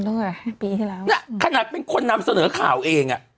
แล้วไงปีที่แล้วน่ะขนาดเป็นคนนำเสนอข่าวเองอ่ะ